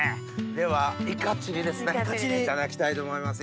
ではイカチリですねいただきたいと思います。